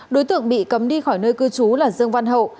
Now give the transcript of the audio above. đối tượng bị cấm đi khỏi nơi cư trú là dương văn hậu